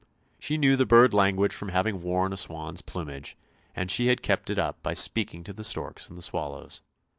She knew the bird language from having worn a swan's plumage, and she had kept it up by speaking to the storks and the swallows.